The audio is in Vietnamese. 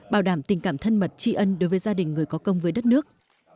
bảo đảm tình cảm thân mật tri ân đối với gia đình người có công với đất nước